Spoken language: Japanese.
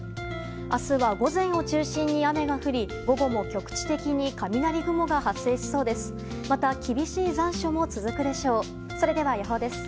明日は午前を中心に雨が降り午後も局地的に雷雲が発生しそうです。